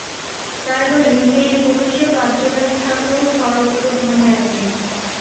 তাই বলি, মেয়ে-পুরুষে বাহ্য ভেদ থাকলেও স্বরূপত কোন ভেদ নেই।